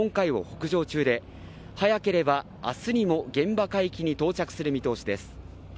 北上中で早ければ明日にも現場海域に到着する見通しです。